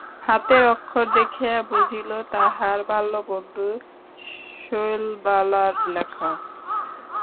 হাতের অক্ষর দেখিয়া বুঝিল তাহার বাল্যবন্ধু শৈলবালার লেখা।